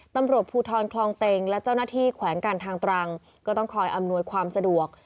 ตำรวจภูทรคลองเต็งและเจ้าหน้าที่แขวงการทางตรังก็ต้องคอยอำนวยความสะดวก